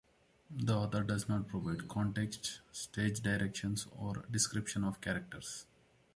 The author does not provide context, stage directions or descriptions of characters.